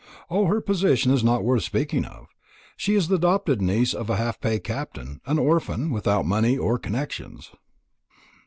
"O, her position is not worth speaking of. She is the adopted niece of a half pay captain an orphan, without money or connections."